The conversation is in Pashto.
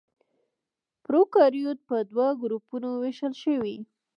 پروکاريوت په دوه ګروپونو وېشل شوي.